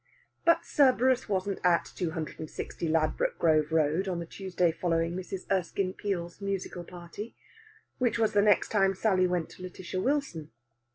But Cerberus wasn't at 260, Ladbroke Grove Road, on the Tuesday following Mrs. Erskine Peel's musical party, which was the next time Sally went to Lætitia Wilson.